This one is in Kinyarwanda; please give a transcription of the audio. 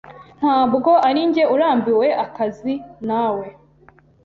Ntabwo arinjye urambiwe akazi. Na we.